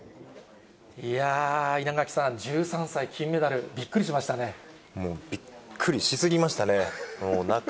いやー、稲垣さん、１３歳、もうびっくりし過ぎましたね。